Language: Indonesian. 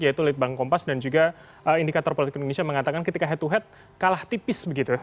yaitu litbang kompas dan juga indikator politik indonesia mengatakan ketika head to head kalah tipis begitu